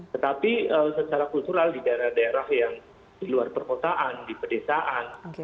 tetapi secara kultural di daerah daerah yang di luar perkotaan di pedesaan